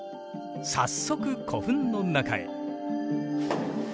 早速古墳の中へ。